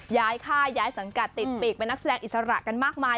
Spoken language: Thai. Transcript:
ย้ายค่าย้ายสังกัดติดปีกเป็นนักแสดงอิสระกันมากมาย